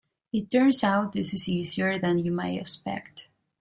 It turns out this is easier than you might expect.